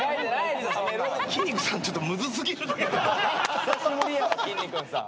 久しぶりやろきんに君さん。